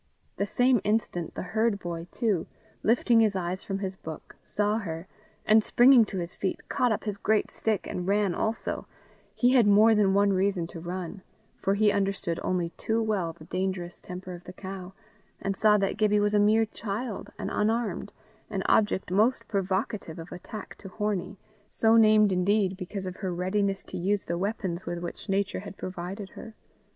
The same instant the herd boy too, lifting his eyes from his book, saw her, and springing to his feet, caught up his great stick, and ran also: he had more than one reason to run, for he understood only too well the dangerous temper of the cow, and saw that Gibbie was a mere child, and unarmed an object most provocative of attack to Hornie so named, indeed, because of her readiness to use the weapons with which Nature had provided her.